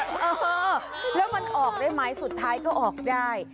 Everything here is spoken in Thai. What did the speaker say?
เออแล้วมันออกได้ไหมสุดท้ายก็ออกได้